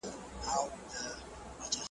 هغه امت چې د وینا ځواک یې کمزوری شوی.